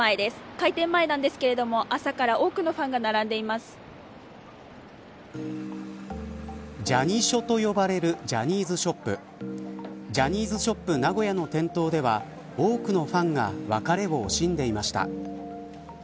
開店前ですが、朝から多くのファンが並んでいますジャニショと呼ばれているジャニーズショップジャニーズショップ名古屋の店頭では多くのファンが別れを惜しんでいました。